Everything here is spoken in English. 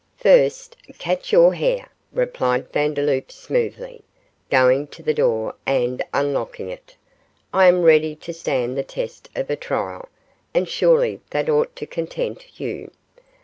'First, catch your hare,' replied Vandeloup, smoothly, going to the door and unlocking it; 'I am ready to stand the test of a trial, and surely that ought to content you.